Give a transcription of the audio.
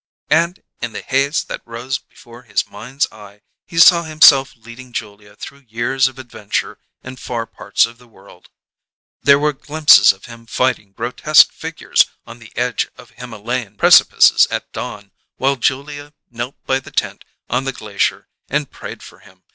And in the haze that rose before his mind's eye he saw himself leading Julia through years of adventure in far parts of the world: there were glimpses of himself fighting grotesque figures on the edge of Himalayan precipices at dawn, while Julia knelt by the tent on the glacier and prayed for him.